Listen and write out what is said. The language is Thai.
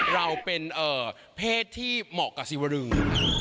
เราเป็นเพศที่เหมาะกับสิวรึง